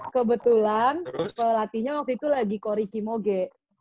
kebetulan pelatihnya waktu itu lagi ko rikimoge